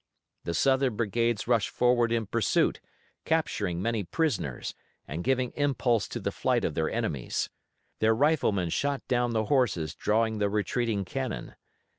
The Southern brigades rushed forward in pursuit, capturing many prisoners, and giving impulse to the flight of their enemies. Their riflemen shot down the horses drawing the retreating cannon.